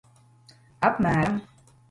Apmēram.